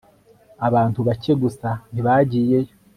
abantu bake gusa ntibagiyeyo